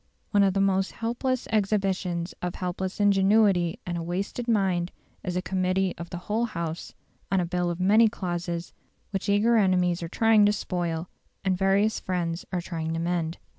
One of the most helpless exhibitions of helpless ingenuity and wasted mind is a committee of the whole House on a bill of many clauses which eager enemies are trying to spoil, and various friends are trying to mend.